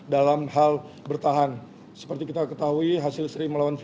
dalam hal bertahan